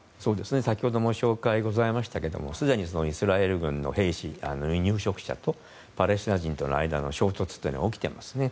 先ほども紹介ございましたけれどもすでにイスラエル軍の兵士入植者とパレスチナ人との間の衝突は起きていますね。